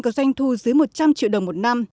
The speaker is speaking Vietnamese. có doanh thu dưới một trăm linh triệu đồng một năm